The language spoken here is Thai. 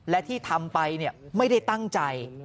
และที่ทำไปไม่ได้ตั้งใจ